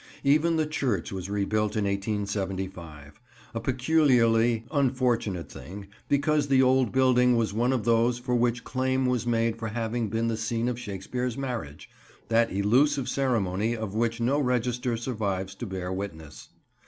Even the church was rebuilt in 1875: a peculiarly unfortunate thing, because the old building was one of those for which claim was made for having been the scene of Shakespeare's marriage, that elusive ceremony of which no register survives to bear witness.